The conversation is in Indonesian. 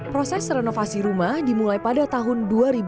proses renovasi rumah dimulai pada tahun dua ribu dua